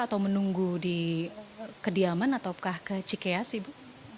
atau menunggu di kediaman ataukah ke cikeas ibu